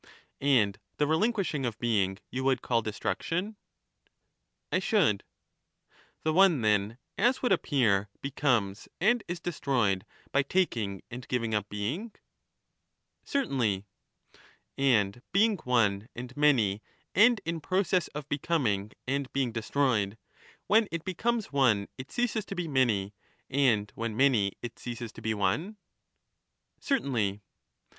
And the relinquishing of being you would call destruction ? How does Ishould> 1V^« The one then, as would appear, becomes and is destroyed by taking and giving up being. Certainly. And being one and many and in process of becoming and being destroyed, when it becomes one it ceases to be many, and when many, it ceases to be one ? Certainly.